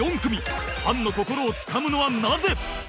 ファンの心をつかむのはなぜ？